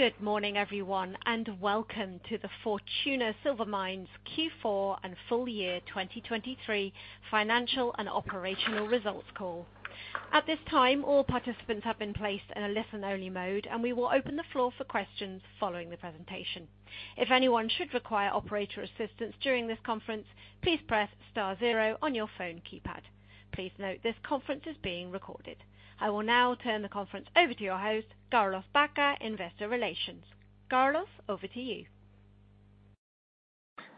Good morning, everyone, and welcome to the Fortuna Silver Mines Q4 and full year 2023 financial and operational results call. At this time, all participants have been placed in a listen-only mode, and we will open the floor for questions following the presentation. If anyone should require operator assistance during this conference, please press star zero on your phone keypad. Please note, this conference is being recorded. I will now turn the conference over to your host, Carlos Baca, Investor Relations. Carlos, over to you.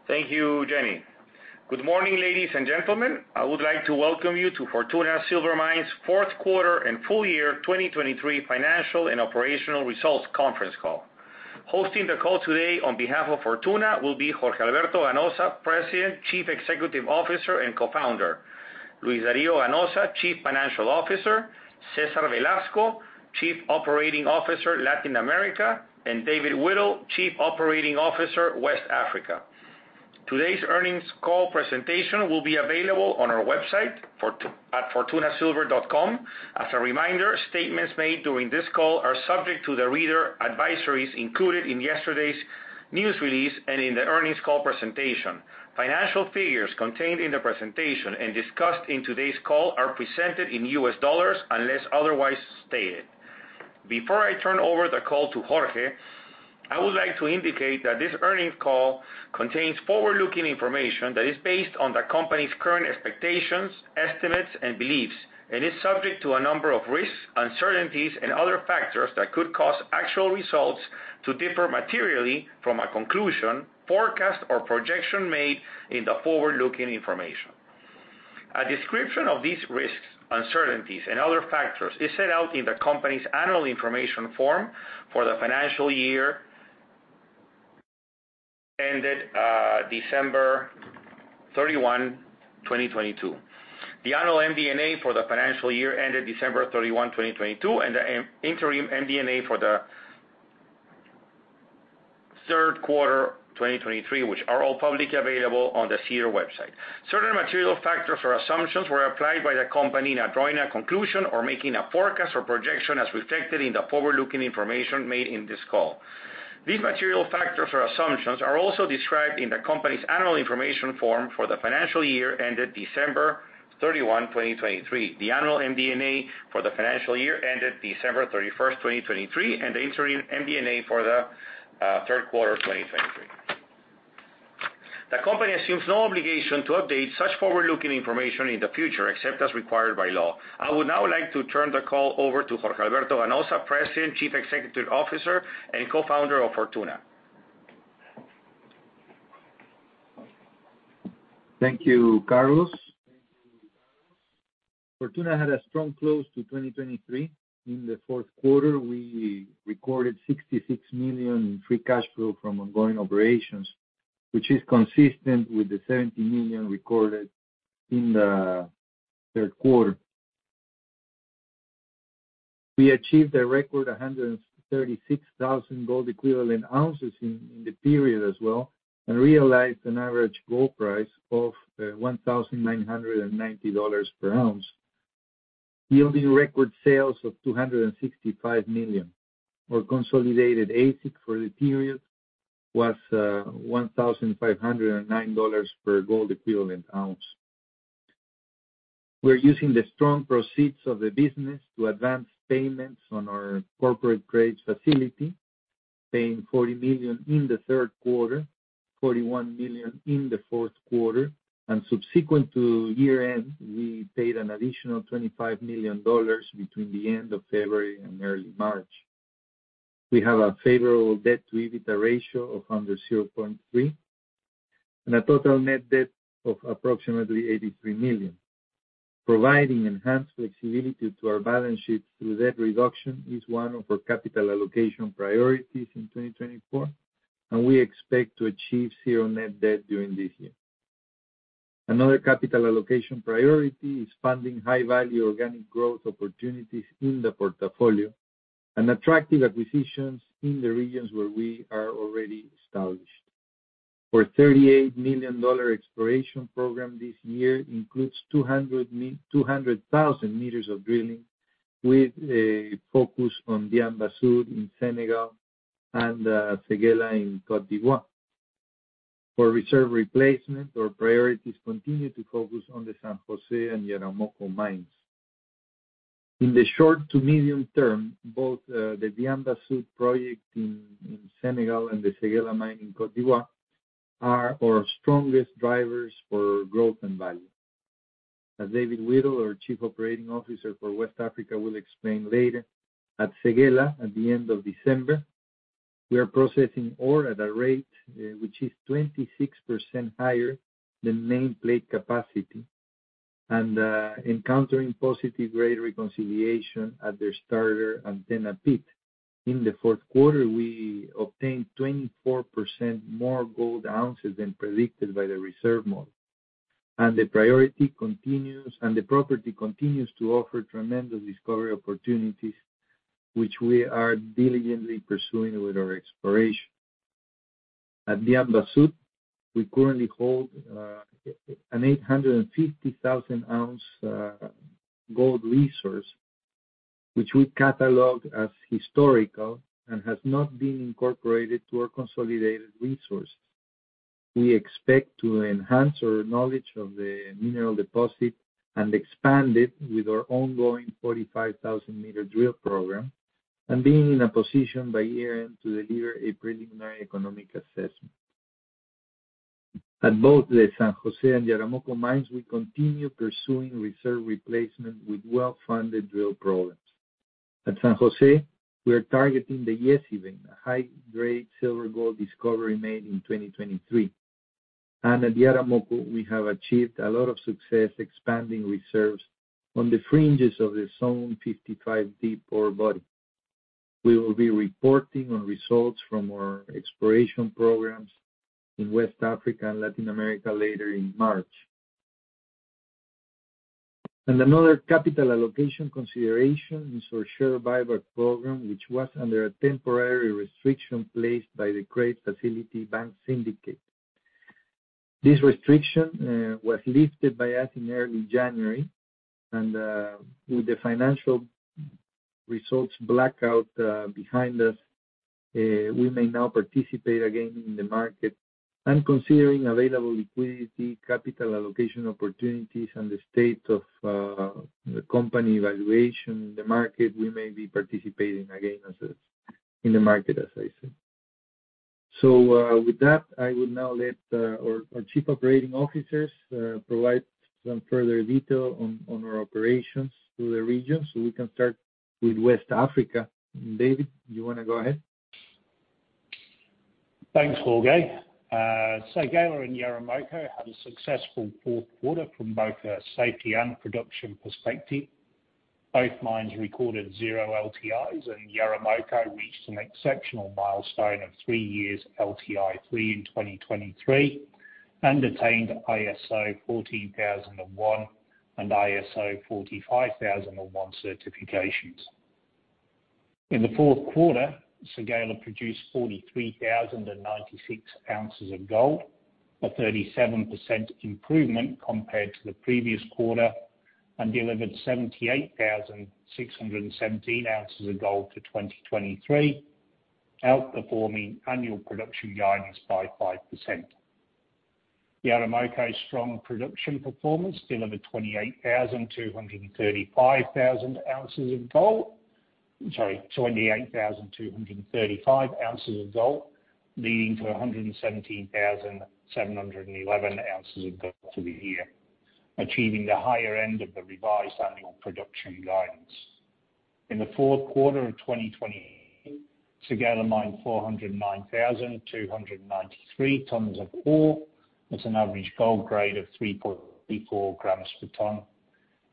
Thank you, Jenny. Good morning, ladies and gentlemen. I would like to welcome you to Fortuna Silver Mines' Q4 and full year 2023 financial and operational results conference call. Hosting the call today on behalf of Fortuna will be Jorge Alberto Ganoza, President, Chief Executive Officer and Co-founder, Luis Dario Ganoza, Chief Financial Officer, Cesar Velasco, Chief Operating Officer, Latin America, and David Whittle, Chief Operating Officer, West Africa. Today's earnings call presentation will be available on our website at fortunasilver.com. As a reminder, statements made during this call are subject to the reader advisories included in yesterday's news release and in the earnings call presentation. Financial figures contained in the presentation and discussed in today's call are presented in U.S. dollars unless otherwise stated. Before I turn over the call to Jorge, I would like to indicate that this earnings call contains forward-looking information that is based on the company's current expectations, estimates, and beliefs, and is subject to a number of risks, uncertainties, and other factors that could cause actual results to differ materially from a conclusion, forecast, or projection made in the forward-looking information. A description of these risks, uncertainties, and other factors is set out in the company's annual information form for the financial year ended December 31, 2022. The annual MD&A for the financial year ended December 31, 2022, and the interim MD&A for the third quarter 2023, which are all publicly available on the SEDAR website. Certain material factors or assumptions were applied by the company in drawing a conclusion or making a forecast or projection as reflected in the forward-looking information made in this call. These material factors or assumptions are also described in the company's annual information form for the financial year ended December 31, 2023, the annual MD&A for the financial year ended December 31, 2023, and the interim MD&A for the third quarter 2023. The company assumes no obligation to update such forward-looking information in the future except as required by law. I would now like to turn the call over to Jorge Alberto Ganoza, President, Chief Executive Officer and Co-founder of Fortuna. Thank you, Carlos. Fortuna had a strong close to 2023. In the fourth quarter, we recorded $66 million in free cash flow from ongoing operations, which is consistent with the $70 million recorded in the third quarter. We achieved a record 136,000 gold equivalent ounces in the period as well and realized an average gold price of $1,990 per ounce, yielding record sales of $265 million. Our consolidated AISC for the period was $1,509 per gold equivalent ounce. We're using the strong proceeds of the business to advance payments on our corporate credit facility, paying $40 million in the third quarter, $41 million in the fourth quarter, and subsequent to year-end, we paid an additional $25 million between the end of February and early March. We have a favorable debt-to-EBITDA ratio of under 0.3 and a total net debt of approximately $83 million. Providing enhanced flexibility to our balance sheet through debt reduction is one of our capital allocation priorities in 2024, and we expect to achieve zero net debt during this year. Another capital allocation priority is funding high-value organic growth opportunities in the portfolio and attractive acquisitions in the regions where we are already established. Our $38 million exploration program this year includes 200,000 meters of drilling with a focus on Diamba Sud in Senegal and Séguéla in Côte d'Ivoire. For reserve replacement, our priorities continue to focus on the San José and Yaramoco mines. In the short to medium term, both the Diamba Sud project in Senegal and the Séguéla mine in Côte d'Ivoire are our strongest drivers for growth and value. As David Whittle, our Chief Operating Officer for West Africa, will explain later, at Séguéla at the end of December, we are processing ore at a rate which is 26% higher than nameplate capacity and encountering positive rate reconciliation at their starter Antenna Pit. In the fourth quarter, we obtained 24% more gold ounces than predicted by the reserve model, and the property continues to offer tremendous discovery opportunities, which we are diligently pursuing with our exploration. At Diamba Sud, we currently hold an 850,000-ounce gold resource, which we catalog as historical and has not been incorporated to our consolidated resources. We expect to enhance our knowledge of the mineral deposit and expand it with our ongoing 45,000-meter drill program and being in a position by year-end to deliver a preliminary economic assessment. At both the San José and Yaramoco mines, we continue pursuing reserve replacement with well-funded drill programs. At San José, we are targeting the Yessi vein, a high-grade silver-gold discovery made in 2023, and at Yaramoco, we have achieved a lot of success expanding reserves on the fringes of the Zone 55 Deep ore body. We will be reporting on results from our exploration programs in West Africa and Latin America later in March. Another capital allocation consideration is our share buyback program, which was under a temporary restriction placed by the credit facility bank syndicate. This restriction was lifted by us in early January, and with the financial results blackout behind us, we may now participate again in the market. Considering available liquidity, capital allocation opportunities, and the state of the company valuation in the market, we may be participating again in the market, as I said. So with that, I would now let our Chief Operating Officers provide some further detail on our operations through the region so we can start with West Africa. David, you want to go ahead? Thanks, Jorge. So Séguéla and Yaramoco had a successful fourth quarter from both a safety and production perspective. Both mines recorded zero LTIs, and Yaramoco reached an exceptional milestone of three years LTI-free in 2023 and attained ISO 14001 and ISO 45001 certifications. In the fourth quarter, Séguéla produced 43,096 ounces of gold, a 37% improvement compared to the previous quarter, and delivered 78,617 ounces of gold to 2023, outperforming annual production guidance by 5%. Yaramoco's strong production performance delivered 28,235 ounces of gold, leading to 117,711 ounces of gold for the year, achieving the higher end of the revised annual production guidance. In the fourth quarter of 2020, Séguéla mined 409,293 tonnes of ore with an average gold grade of 3.4 grams per tonne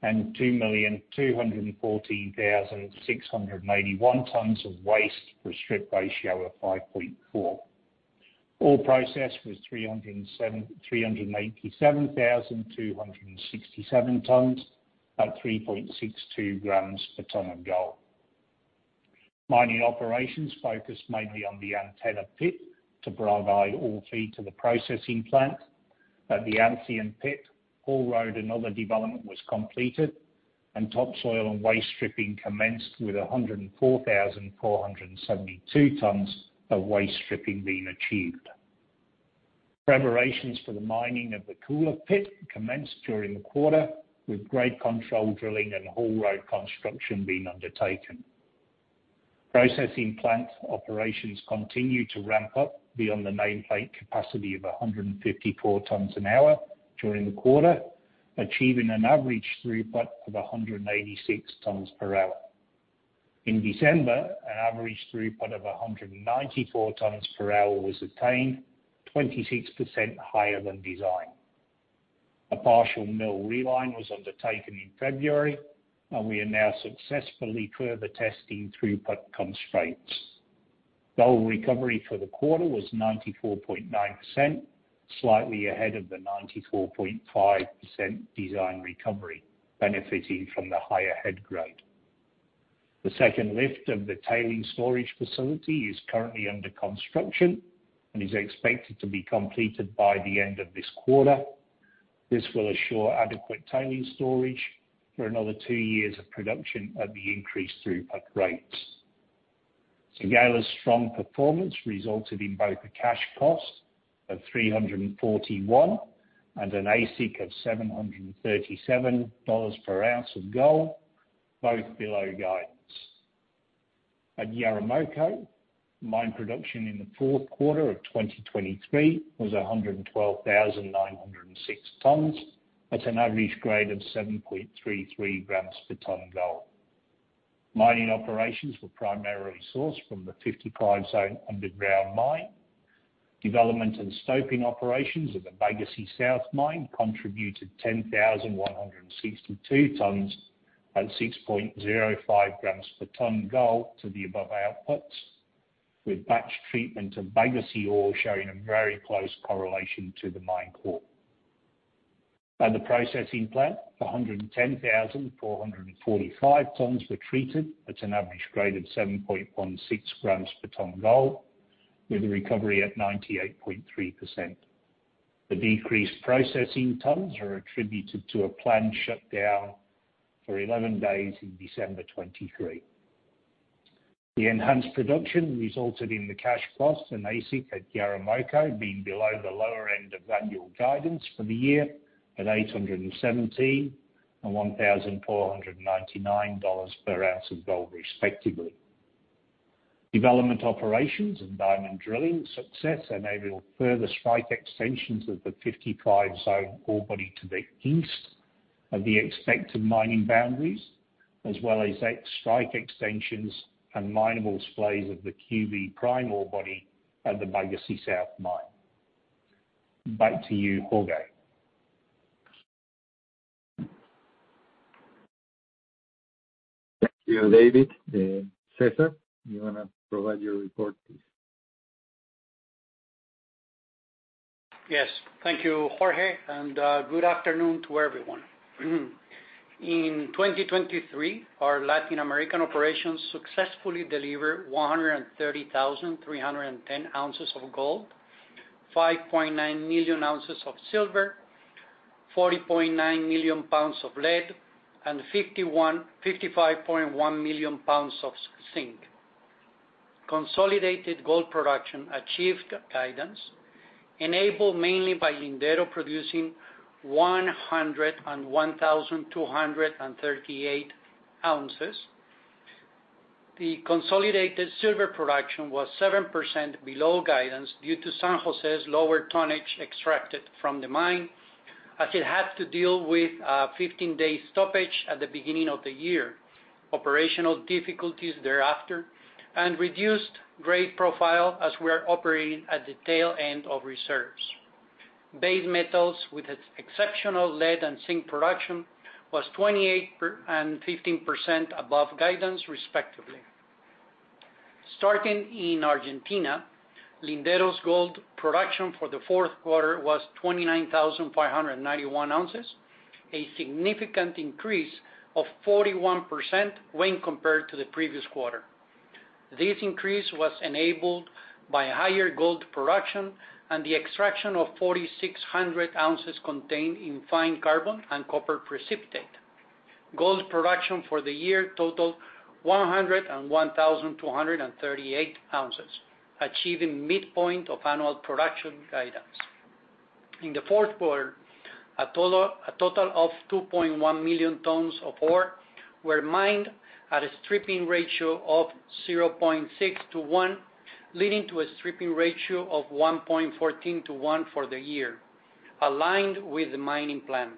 and 2,214,681 tonnes of waste with a strip ratio of 5.4. Ore processed was 387,267 tonnes at 3.62 grams per tonne of gold. Mining operations focused mainly on the Antenna Pit to provide ore feed to the processing plant. At the Ancien Pit, ore road and other development was completed, and topsoil and waste stripping commenced with 104,472 tonnes of waste stripping being achieved. Preparations for the mining of the Koula Pit commenced during the quarter, with grade control drilling and ore road construction being undertaken. Processing plant operations continued to ramp up beyond the nameplate capacity of 154 tonnes an hour during the quarter, achieving an average throughput of 186 tonnes per hour. In December, an average throughput of 194 tonnes per hour was attained, 26% higher than design. A partial mill reline was undertaken in February, and we are now successfully further testing throughput constraints. Gold recovery for the quarter was 94.9%, slightly ahead of the 94.5% design recovery, benefiting from the higher head grade. The second lift of the tailing storage facility is currently under construction and is expected to be completed by the end of this quarter. This will assure adequate tailing storage for another two years of production at the increased throughput rates. Séguéla's strong performance resulted in both a cash cost of $341 and an AISC of $737 per ounce of gold, both below guidance. At Yaramoco, mine production in the fourth quarter of 2023 was 112,906 tons at an average grade of 7.33 grams per ton gold. Mining operations were primarily sourced from the Zone 55 underground mine. Development and stoping operations of the Bagasi South mine contributed 10,162 tons at 6.05 grams per ton gold to the above outputs, with batch treatment of Bagasi ore showing a very close correlation to the mine core. At the processing plant, 110,445 tonnes were treated at an average grade of 7.16 grams per tonne gold, with a recovery at 98.3%. The decreased processing tonnes are attributed to a planned shutdown for 11 days in December 2023. The enhanced production resulted in the cash cost and AISC at Yaramoco being below the lower end of annual guidance for the year at $817 and $1,499 per ounce of gold, respectively. Development operations and diamond drilling success enabled further strike extensions of the Zone 55 ore body to the east of the expected mining boundaries, as well as strike extensions and minable splays of the QV Prime ore body at the Bagasi South mine. Back to you, Jorge. Thank you, David. Cesar, you want to provide your report, please? Yes. Thank you, Jorge, and good afternoon to everyone. In 2023, our Latin American operations successfully delivered 130,310 ounces of gold, 5.9 million ounces of silver, 40.9 million pounds of lead, and 55.1 million pounds of zinc. Consolidated gold production achieved guidance, enabled mainly by Lindero producing 101,238 ounces. The consolidated silver production was 7% below guidance due to San José's lower tonnage extracted from the mine, as it had to deal with a 15-day stoppage at the beginning of the year, operational difficulties thereafter, and reduced grade profile as we are operating at the tail end of reserves. Base metals with exceptional lead and zinc production was 28% and 15% above guidance, respectively. Starting in Argentina, Lindero's gold production for the fourth quarter was 29,591 ounces, a significant increase of 41% when compared to the previous quarter. This increase was enabled by higher gold production and the extraction of 4,600 ounces contained in fine carbon and copper precipitate. Gold production for the year totaled 101,238 ounces, achieving midpoint of annual production guidance. In the fourth quarter, a total of 2.1 million tonnes of ore were mined at a stripping ratio of 0.6:1, leading to a stripping ratio of 1.14:1 for the year, aligned with the mining plan.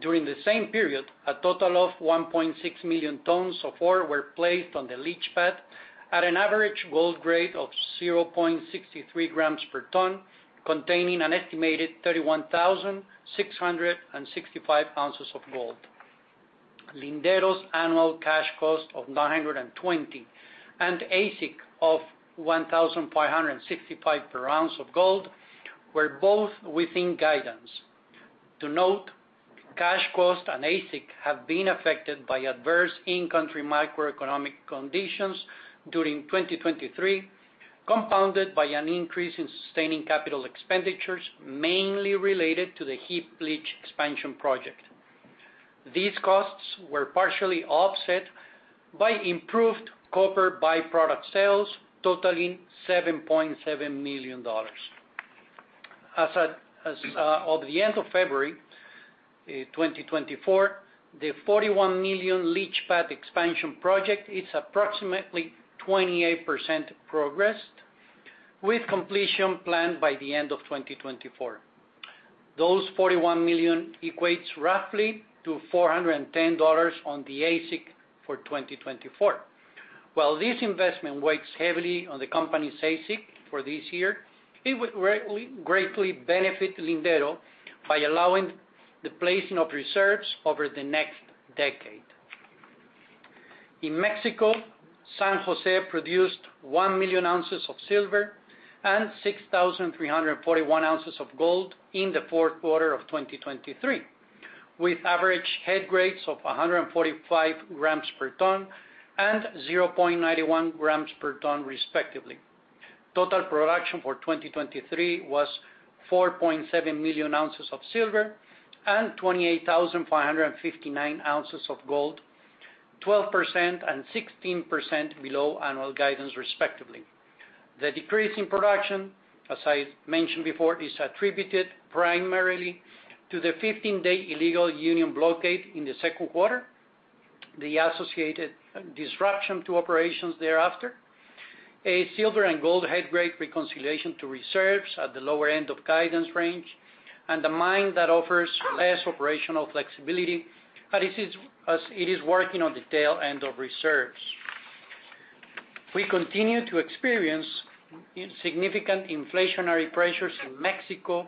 During the same period, a total of 1.6 million tonnes of ore were placed on the leach pad at an average gold grade of 0.63 grams per tonne, containing an estimated 31,665 ounces of gold. Lindero's annual cash cost of $920 and AISC of $1,565 per ounce of gold were both within guidance. To note, cash cost and AISC have been affected by adverse in-country microeconomic conditions during 2023, compounded by an increase in sustaining capital expenditures mainly related to the heap leach expansion project. These costs were partially offset by improved copper byproduct sales, totaling $7.7 million. As of the end of February 2024, the $41 million leach pad expansion project is approximately 28% progressed, with completion planned by the end of 2024. Those $41 million equates roughly to $410 on the AISC for 2024. While this investment weighs heavily on the company's AISC for this year, it would greatly benefit Lindero by allowing the placing of reserves over the next decade. In Mexico, San José produced 1 million ounces of silver and 6,341 ounces of gold in the fourth quarter of 2023, with average head grades of 145 grams per tonne and 0.91 grams per tonne, respectively. Total production for 2023 was 4.7 million ounces of silver and 28,559 ounces of gold, 12% and 16% below annual guidance, respectively. The decrease in production, as I mentioned before, is attributed primarily to the 15-day illegal union blockade in the second quarter, the associated disruption to operations thereafter, a silver and gold head grade reconciliation to reserves at the lower end of guidance range, and the mine that offers less operational flexibility as it is working on the tail end of reserves. We continue to experience significant inflationary pressures in Mexico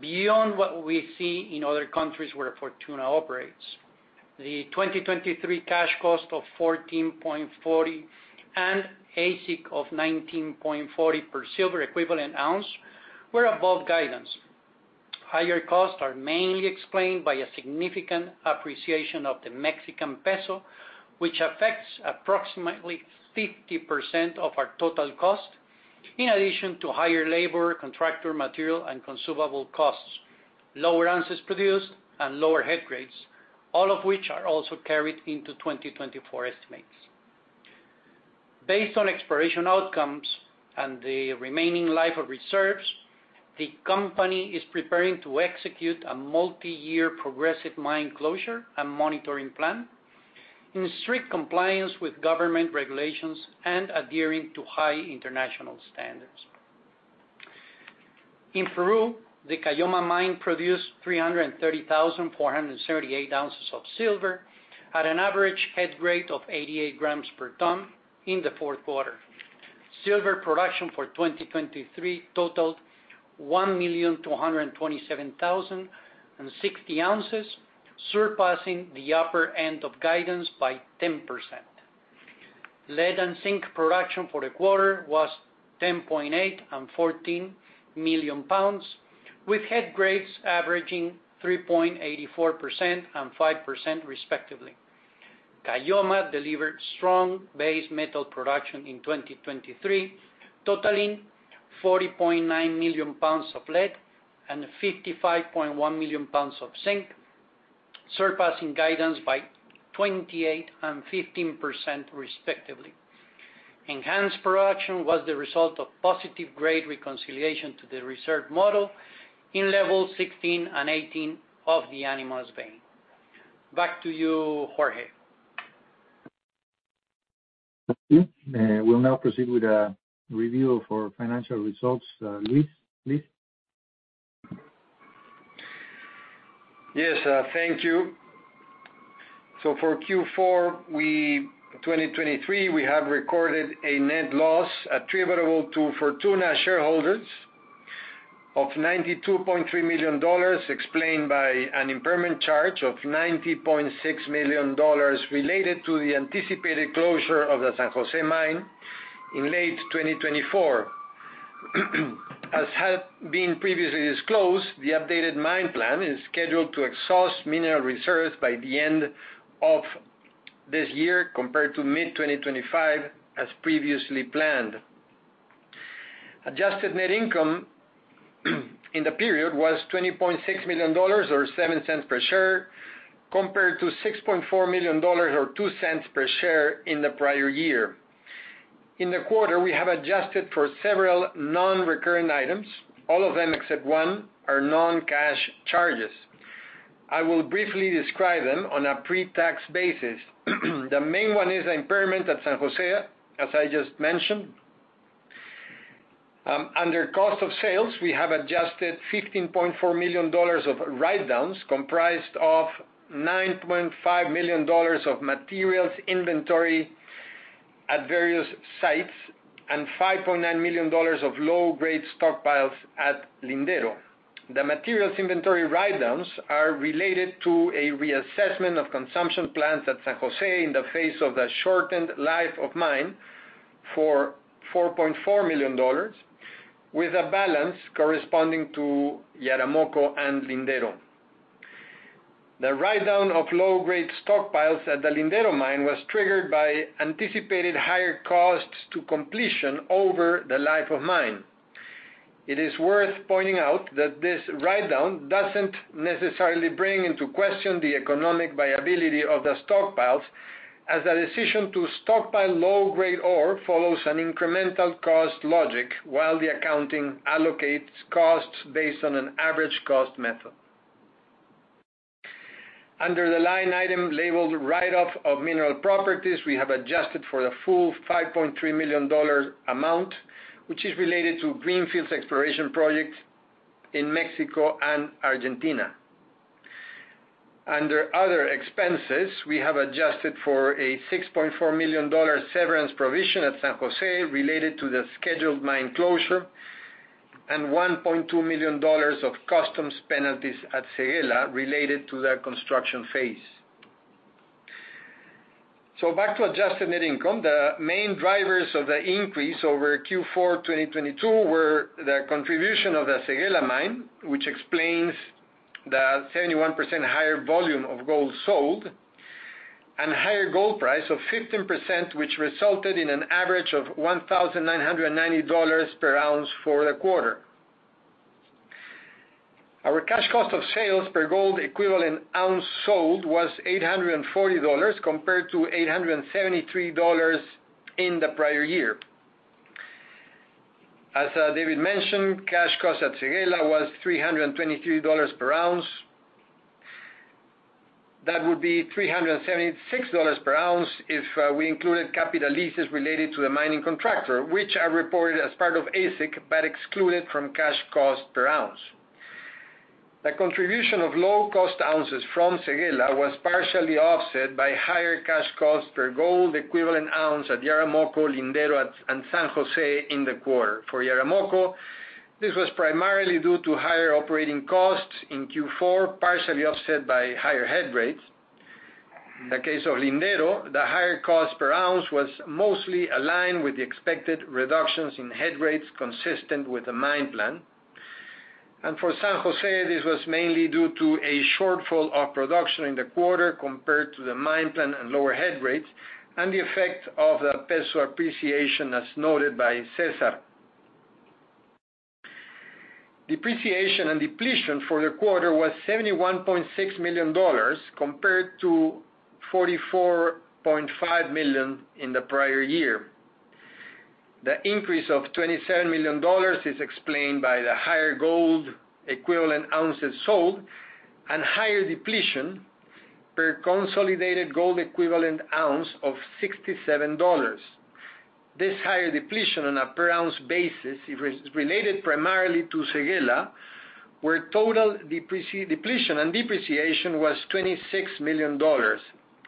beyond what we see in other countries where Fortuna operates. The 2023 cash cost of $14.40 and AISC of $19.40 per silver equivalent ounce were above guidance. Higher costs are mainly explained by a significant appreciation of the Mexican peso, which affects approximately 50% of our total cost, in addition to higher labor, contractor, material, and consumable costs, lower ounces produced, and lower head grades, all of which are also carried into 2024 estimates. Based on exploration outcomes and the remaining life of reserves, the company is preparing to execute a multi-year progressive mine closure and monitoring plan in strict compliance with government regulations and adhering to high international standards. In Peru, the Caylloma Mine produced 330,478 ounces of silver at an average head grade of 88 grams per ton in the fourth quarter. Silver production for 2023 totaled 1,227,060 ounces, surpassing the upper end of guidance by 10%. Lead and zinc production for the quarter was 10.8 million pounds and 14 million pounds, with head grades averaging 3.84% and 5%, respectively. Caylloma delivered strong base metal production in 2023, totaling 40.9 million pounds of lead and 55.1 million pounds of zinc, surpassing guidance by 28% and 15%, respectively. Enhanced production was the result of positive grade reconciliation to the reserve model in levels 16 and 18 of the Animas vein. Back to you, Jorge. Thank you. We'll now proceed with a review of our financial results. Luis, please. Yes. Thank you. So for Q4 2023, we have recorded a net loss attributable to Fortuna shareholders of $92.3 million, explained by an impairment charge of $90.6 million related to the anticipated closure of the San José mine in late 2024. As had been previously disclosed, the updated mine plan is scheduled to exhaust mineral reserves by the end of this year compared to mid-2025, as previously planned. Adjusted net income in the period was $20.6 million or $0.07 per share compared to $6.4 million or $0.02 per share in the prior year. In the quarter, we have adjusted for several non-recurrent items. All of them except one are non-cash charges. I will briefly describe them on a pre-tax basis. The main one is the impairment at San José, as I just mentioned. Under cost of sales, we have adjusted $15.4 million of write-downs comprised of $9.5 million of materials inventory at various sites and $5.9 million of low-grade stockpiles at Lindero. The materials inventory write-downs are related to a reassessment of consumption plants at San José in the face of the shortened life of mine for $4.4 million, with a balance corresponding to Yaramoco and Lindero. The write-down of low-grade stockpiles at the Lindero mine was triggered by anticipated higher costs to completion over the life of mine. It is worth pointing out that this write-down doesn't necessarily bring into question the economic viability of the stockpiles, as the decision to stockpile low-grade ore follows an incremental cost logic while the accounting allocates costs based on an average cost method. Under the line item labeled write-off of mineral properties, we have adjusted for the full $5.3 million amount, which is related to greenfields exploration projects in Mexico and Argentina. Under other expenses, we have adjusted for a $6.4 million severance provision at San José related to the scheduled mine closure and $1.2 million of customs penalties at Séguéla related to the construction phase. So back to adjusted net income. The main drivers of the increase over Q4 2022 were the contribution of the Séguéla mine, which explains the 71% higher volume of gold sold and higher gold price of 15%, which resulted in an average of $1,990 per ounce for the quarter. Our cash cost of sales per gold equivalent ounce sold was $840 compared to $873 in the prior year. As David mentioned, cash cost at Séguéla was $323 per ounce. That would be $376 per ounce if we included capital leases related to the mining contractor, which are reported as part of AISC but excluded from cash cost per ounce. The contribution of low-cost ounces from Séguéla was partially offset by higher cash costs per gold equivalent ounce at Yaramoco, Lindero, and San José in the quarter. For Yaramoco, this was primarily due to higher operating costs in Q4, partially offset by higher head grades. In the case of Lindero, the higher cost per ounce was mostly aligned with the expected reductions in head grades consistent with the mine plan. For San José, this was mainly due to a shortfall of production in the quarter compared to the mine plan and lower head grades and the effect of the peso appreciation, as noted by Cesar. Depreciation and depletion for the quarter was $71.6 million compared to $44.5 million in the prior year. The increase of $27 million is explained by the higher gold equivalent ounces sold and higher depletion per consolidated gold equivalent ounce of $67. This higher depletion on a per ounce basis is related primarily to Séguéla, where total depletion and depreciation was $26 million,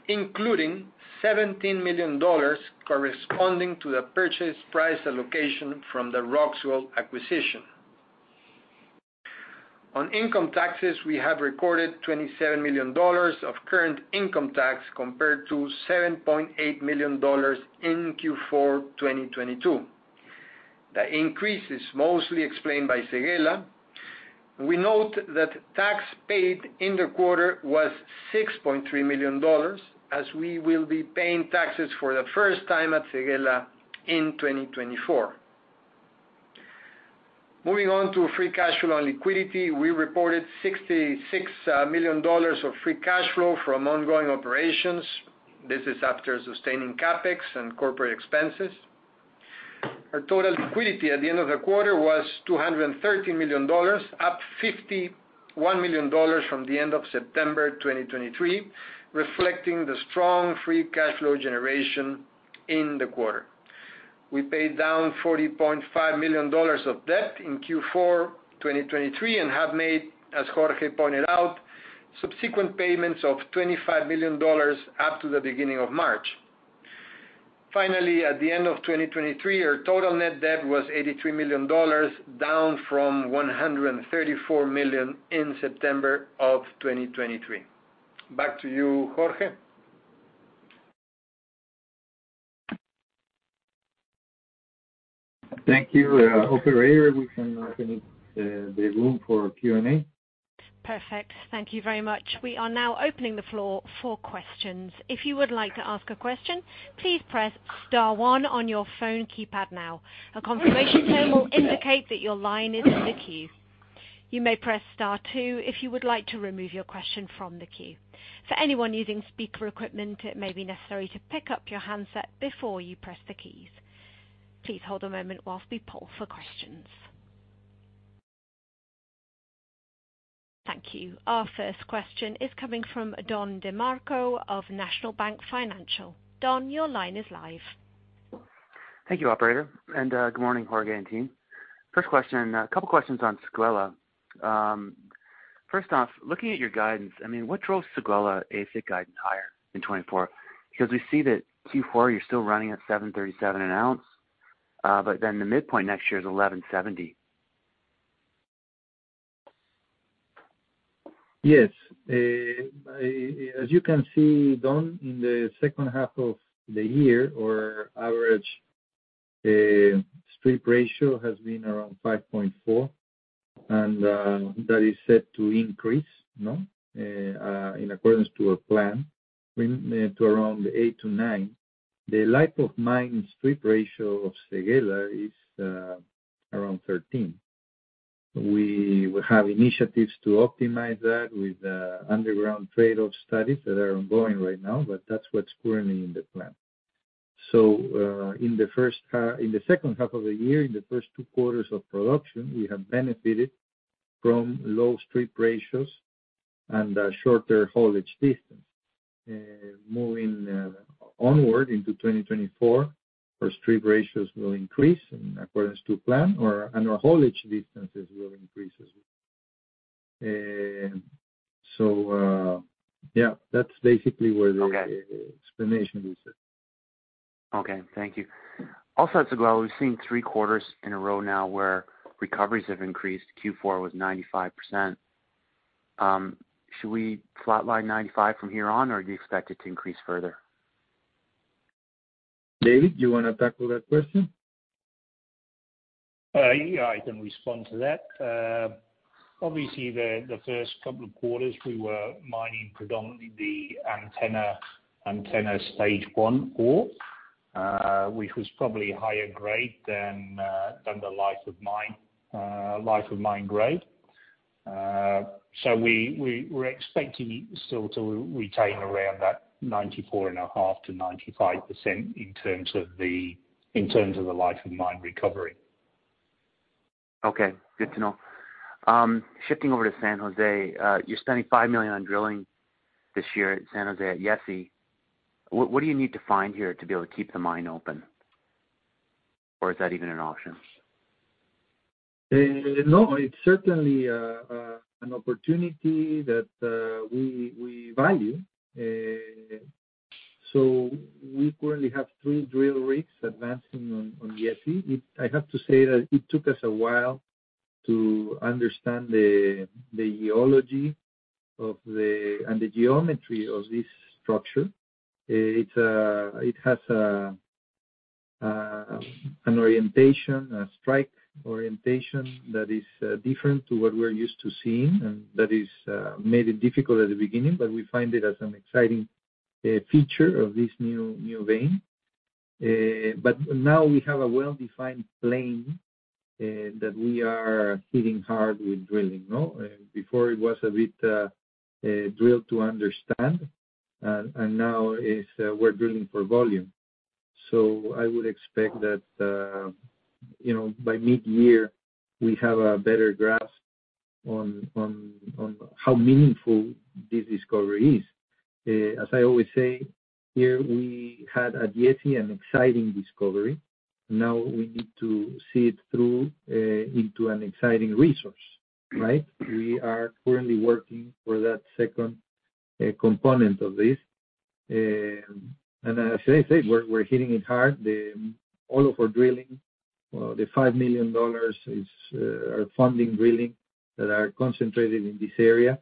including $17 million corresponding to the purchase price allocation from the Roxgold acquisition. On income taxes, we have recorded $27 million of current income tax compared to $7.8 million in Q4 2022. The increase is mostly explained by Séguéla. We note that tax paid in the quarter was $6.3 million, as we will be paying taxes for the first time at Séguéla in 2024. Moving on to free cash flow and liquidity, we reported $66 million of free cash flow from ongoing operations. This is after sustaining CapEx and corporate expenses. Our total liquidity at the end of the quarter was $213 million, up $51 million from the end of September 2023, reflecting the strong free cash flow generation in the quarter. We paid down $40.5 million of debt in Q4 2023 and have made, as Jorge pointed out, subsequent payments of $25 million up to the beginning of March. Finally, at the end of 2023, our total net debt was $83 million, down from $134 million in September of 2023. Back to you, Jorge. Thank you. Operator, we can open the room for Q&A. Perfect. Thank you very much. We are now opening the floor for questions. If you would like to ask a question, please press star one on your phone keypad now. A confirmation tone will indicate that your line is in the queue. You may press star two if you would like to remove your question from the queue. For anyone using speaker equipment, it may be necessary to pick up your handset before you press the keys. Please hold a moment while we poll for questions. Thank you. Our first question is coming from Don DeMarco of National Bank Financial. Don, your line is live. Thank you, Operator. And good morning, Jorge and team. First question, a couple of questions on Séguéla. First off, looking at your guidance, I mean, what drove Séguéla AISC guidance higher in 2024? Because we see that Q4, you're still running at $737 an ounce, but then the midpoint next year is $1,170. Yes. As you can see, Don, in the second half of the year, our average strip ratio has been around 5.4, and that is set to increase, no? In accordance to our plan, to around 8-9. The life of mine strip ratio of Séguéla is around 13. We have initiatives to optimize that with underground trade-off studies that are ongoing right now, but that's what's currently in the plan. So in the second half of the year, in the first two quarters of production, we have benefited from low strip ratios and shorter haulage distance. Moving onward into 2024, our strip ratios will increase in accordance to plan, and our haulage distances will increase as well. So yeah, that's basically where the explanation is at. Okay. Thank you. Also, at Sequoia, we've seen three quarters in a row now where recoveries have increased. Q4 was 95%. Should we flatline 95 from here on, or do you expect it to increase further? David, do you want to tackle that question? Yeah. I can respond to that. Obviously, the first couple of quarters, we were mining predominantly the Antenna Stage One ore, which was probably higher grade than the life of mine grade. So we're expecting it still to retain around that 94.5%-95% in terms of the life of mine recovery. Okay. Good to know. Shifting over to San José, you're spending $5 million on drilling this year at San José at Yessi. What do you need to find here to be able to keep the mine open, or is that even an option? No. It's certainly an opportunity that we value. So we currently have three drill rigs advancing on Yessi. I have to say that it took us a while to understand the geology and the geometry of this structure. It has an orientation, a strike orientation that is different to what we're used to seeing, and that made it difficult at the beginning, but we find it as an exciting feature of this new vein. But now we have a well-defined plane that we are hitting hard with drilling, no? Before, it was a bit drilled to understand, and now we're drilling for volume. So I would expect that by mid-year, we have a better grasp on how meaningful this discovery is. As I always say, here, we had at Yessi an exciting discovery. Now we need to see it through into an exciting resource, right? We are currently working for that second component of this. And as I said, we're hitting it hard. All of our drilling, the $5 million are funding drilling that are concentrated in this area,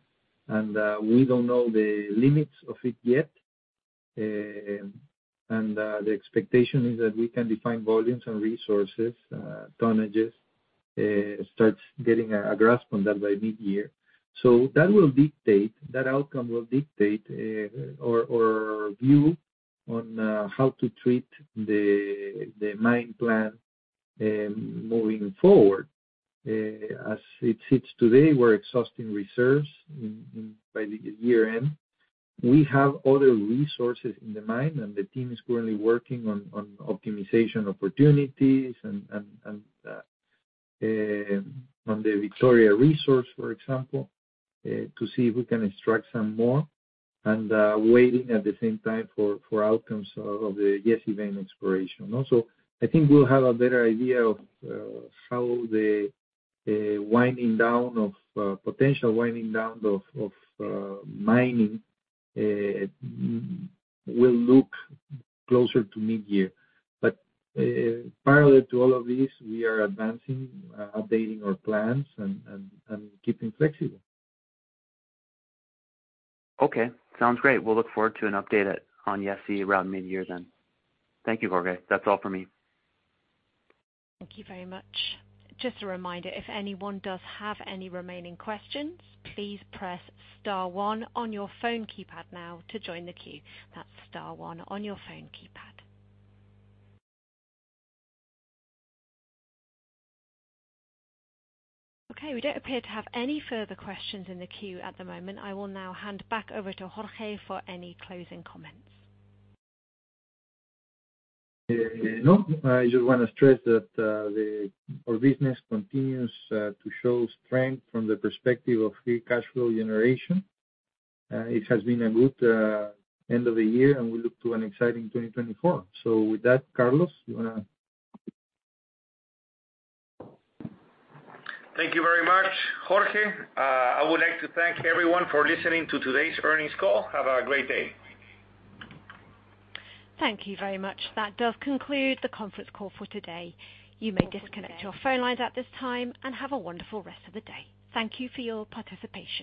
and we don't know the limits of it yet. And the expectation is that we can define volumes and resources, tonnages, start getting a grasp on that by mid-year. So that will dictate that outcome will dictate our view on how to treat the mine plan moving forward. As it sits today, we're exhausting reserves by the year-end. We have other resources in the mine, and the team is currently working on optimization opportunities on the Victoria resource, for example, to see if we can extract some more and waiting at the same time for outcomes of the Yessi vein exploration, no? I think we'll have a better idea of how the potential winding down of mining will look closer to mid-year. But parallel to all of this, we are advancing, updating our plans, and keeping flexible. Okay. Sounds great. We'll look forward to an update on Yessi around mid-year then. Thank you, Jorge. That's all for me. Thank you very much. Just a reminder, if anyone does have any remaining questions, please press star one on your phone keypad now to join the queue. That's star one on your phone keypad. Okay. We don't appear to have any further questions in the queue at the moment. I will now hand back over to Jorge for any closing comments. No. I just want to stress that our business continues to show strength from the perspective of free cash flow generation. It has been a good end of the year, and we look to an exciting 2024. So with that, Carlos, do you want to? Thank you very much, Jorge. I would like to thank everyone for listening to today's earnings call. Have a great day. Thank you very much. That does conclude the conference call for today. You may disconnect your phone lines at this time and have a wonderful rest of the day. Thank you for your participation.